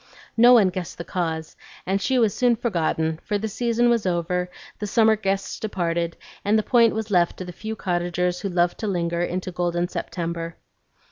No one guessed the cause, and she was soon forgotten; for the season was over, the summer guests departed, and the Point was left to the few cottagers who loved to linger into golden September.